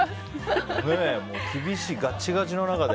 厳しい、ガチガチの中で。